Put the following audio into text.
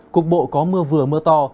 cục bộ có mưa vừa mưa to